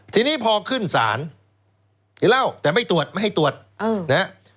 ทีนี้พอขึ้นสารกินเล่าแต่ไม่ให้ตรวจ